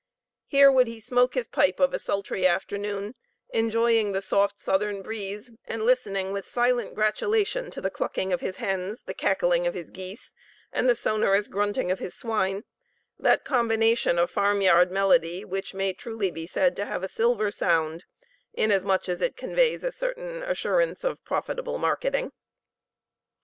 Here would he smoke his pipe of a sultry afternoon, enjoying the soft southern breeze and listening with silent gratulation to the clucking of his hens, the cackling of his geese, and the sonorous grunting of his swine; that combination of farmyard melody, which may truly be said to have a silver sound, inasmuch as it conveys a certain assurance of profitable marketing.